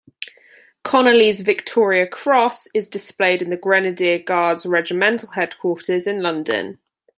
Conolly's Victoria Cross is displayed at The Grenadier Guards Regimental Headquarters in London.